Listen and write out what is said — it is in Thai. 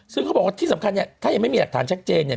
ซึ่งเขาบอกว่าที่สำคัญเนี่ยถ้ายังไม่มีหลักฐานชัดเจนเนี่ย